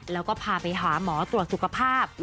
แล้วก็พาไปหาหมอตรวจสุขภาพ